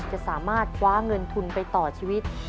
จะสามารถคว้าเงินทุนไปต่อชีวิต